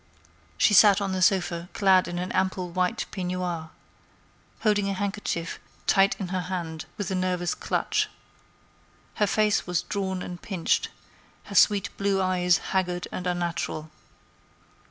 She sat on the sofa, clad in an ample white peignoir, holding a handkerchief tight in her hand with a nervous clutch. Her face was drawn and pinched, her sweet blue eyes haggard and unnatural.